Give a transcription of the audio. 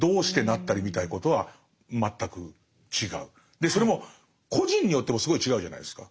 でそれも個人によってもすごい違うじゃないですか。